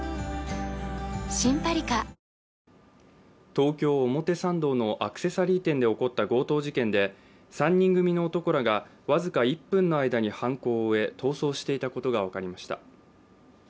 東京・表参道のアクセサリー店で起こった強盗事件で３人組の男らが僅か１分の間に犯行を終え逃走していたことが分かりました。